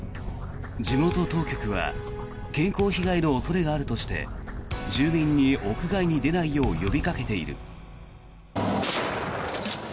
地元当局は健康被害の恐れがあるとして住民に、屋外に出ないよう呼びかけている。